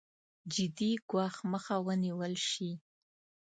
جدي ګواښ مخه ونېول شي.